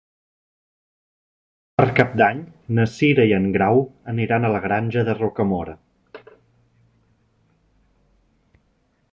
Per Cap d'Any na Cira i en Grau aniran a la Granja de Rocamora.